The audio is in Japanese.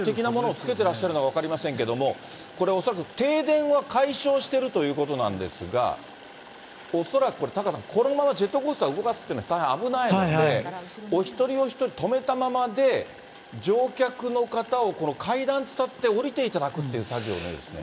つけてらっしゃるのか分かりませんけれども、これ、恐らく停電は解消してるということなんですが、恐らく、タカさん、このままジェットコースターを動かすというのは大変危ないので、お一人お一人、止めたままで、乗客の方を階段を伝っておりていただくという作業のようですね。